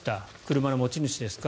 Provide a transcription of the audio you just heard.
車の持ち主ですか？